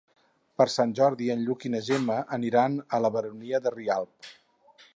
Per Sant Jordi en Lluc i na Gemma aniran a la Baronia de Rialb.